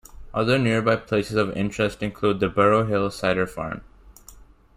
Other nearby places of interest include the Burrow Hill Cider Farm.